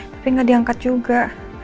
tapi nggak diangkat juga